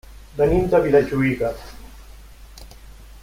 Venim de Vilajuïga.